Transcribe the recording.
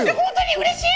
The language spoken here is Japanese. うれしい！